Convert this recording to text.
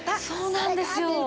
そうなんですよ。